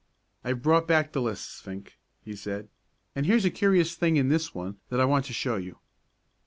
"I've brought back the lists, Fink," he said, "and here's a curious thing in this one that I want to show you."